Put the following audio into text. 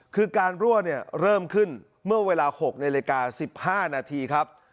คือการรั่วเริ่มขึ้นเมื่อเวลา๖นาฬิกา๑๕นาทีครับ